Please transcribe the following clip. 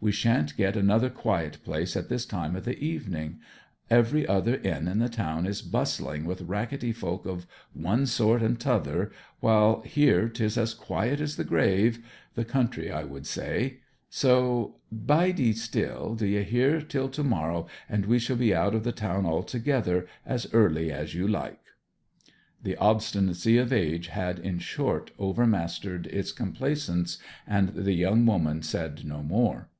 We shan't get another quiet place at this time of the evening every other inn in the town is bustling with rackety folk of one sort and t'other, while here 'tis as quiet as the grave the country, I would say. So bide still, d'ye hear, and to morrow we shall be out of the town altogether as early as you like.' The obstinacy of age had, in short, overmastered its complaisance, and the young woman said no more.